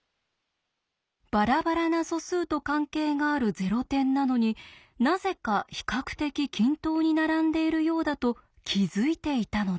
バラバラな素数と関係があるゼロ点なのになぜか比較的均等に並んでいるようだと気付いていたのです。